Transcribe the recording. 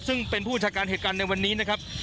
ซึ่งเป็นผู้บัญชาการเหตุการณ์ในวันนี้นะครับ